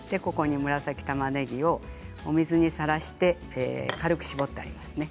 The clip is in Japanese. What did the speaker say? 紫たまねぎは水にさらして軽く絞ってあります。